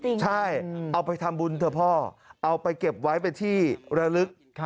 ใช่เอาไปทำบุญเถอะพ่อเอาไปเก็บไว้เป็นที่ระลึก